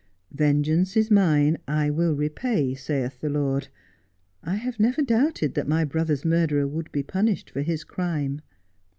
"Vengeance is Mine, I will repay, saith the Lord." I have never doubted that my brother's murderer would be punished for his crime.'